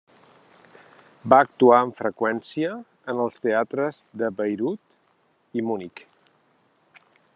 Va actuar amb freqüència en els teatres de Bayreuth i Munic.